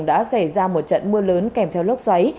đã xảy ra một trận mưa lớn kèm theo lốc xoáy